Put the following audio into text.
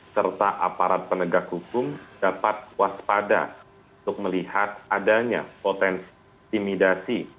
serta aparat penegak hukum dapat waspada untuk melihat adanya potensi intimidasi